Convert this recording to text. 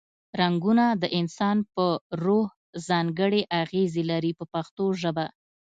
رنګونه د انسان په روح ځانګړې اغیزې لري په پښتو ژبه.